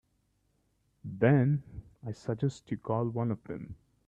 Then I suggest you call one of them.